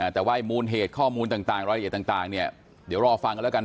แต่ว่ามูลเหตุข้อมูลต่างรายละเอียดต่างเนี่ยเดี๋ยวรอฟังกันแล้วกัน